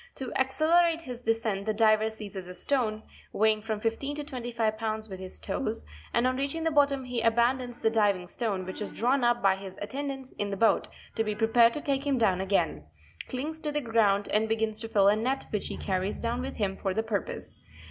To accel erate his descent the diver seizes a stone (weighing from 15 to 25 pounds) with his toes, and on reaching the bottom he aban dons the diving stone (which is drawn up by attendants in the boat, te be prepared to take him down again), clings to the ground, and begins te fill a net which he carries down with him for the purpose.